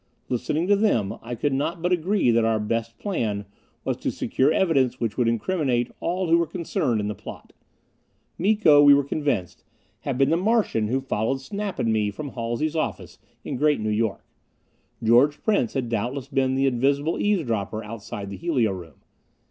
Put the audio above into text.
Listening to them I could not but agree that our best plan was to secure evidence which would incriminate all who were concerned in the plot. Miko, we were convinced, had been the Martian who followed Snap and me from Halsey's office in Great New York. George Prince had doubtless been the invisible eavesdropper outside the helio room.